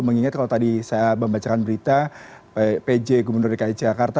mengingat kalau tadi saya membacakan berita pj gubernur dki jakarta